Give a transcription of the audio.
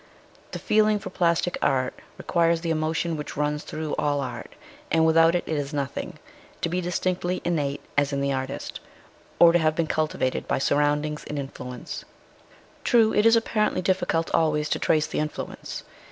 The feeling for plastic art requires the emotion which runs through all art, aud without which it is nothing, to be distinctly innate as in the artist, or to have been cultivated by surroundings and influence. True, it is apparently difficult always to trace the influence.